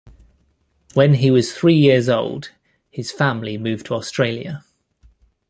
When he was three years old, his family moved to Australia.